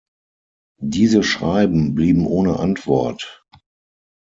Diese Schreiben blieben ohne Antwort.